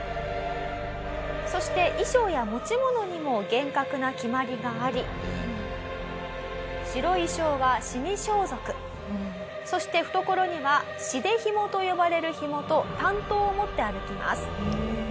そして衣装や持ち物にも厳格な決まりがあり白い衣装は死装束そして懐には死出紐と呼ばれる紐と短刀を持って歩きます。